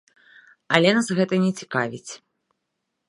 Але нас не гэта цікавіць.